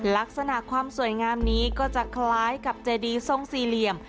ลักษณะความสวยงามนี้ก็จะคล้ายกับเจดีทรงสี่เหลี่ยม